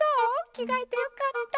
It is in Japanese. きがえてよかった。